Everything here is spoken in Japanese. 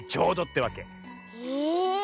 へえ。